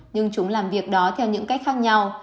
nhưng chúng làm việc đó theo những cách khác nhau